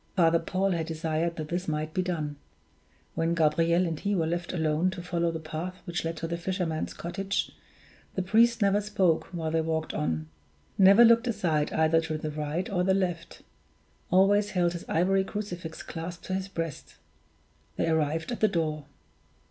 Father Paul had desired that this might be done. When Gabriel and he were left alone to follow the path which led to the fisherman's cottage, the priest never spoke while they walked on never looked aside either to the right or the left always held his ivory crucifix clasped to his breast. They arrived at the door.